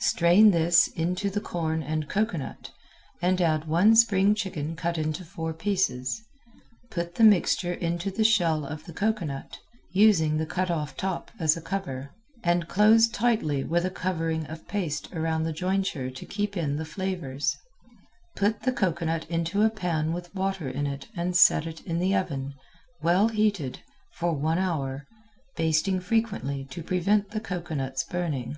Strain this into the corn and cocoanut and add one spring chicken cut in four pieces. Put the mixture into the shell of the cocoanut, using the cut off top as a cover, and close tightly with a covering of paste around the jointure to keep in the flavors. Put the cocoanut into a pan with water in it and set in the oven, well heated, for one hour, basting frequently to prevent the cocoanut's burning.